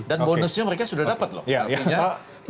dan bonusnya mereka sudah dapat loh